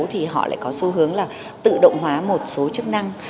thì họ lại có xu hướng là tự động hóa một số chức năng